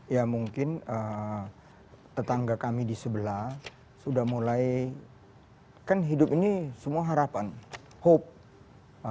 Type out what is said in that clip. ya mungkin tetangga kami di sebelah sudah mulai kan hidup ini semua harapan hope